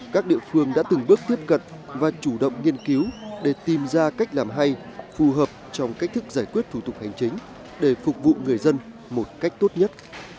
các địa phương đã từng bước tiếp cận và chủ động nghiên cứu để tìm ra cách làm hay phù hợp trong cách thức giải quyết thủ tục hành chính để phục vụ người dân một cách tốt nhất